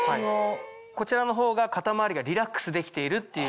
こちらのほうが肩周りがリラックスできているっていう。